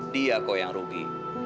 dia kok yang rugi